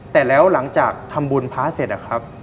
แต่แล้วหลังจากทำบุญพระเสร็จอะครับ